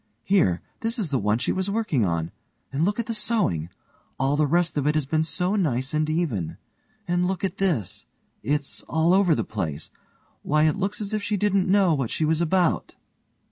Here, this is the one she was working on, and look at the sewing! All the rest of it has been so nice and even. And look at this! It's all over the place! Why, it looks as if she didn't know what she was about!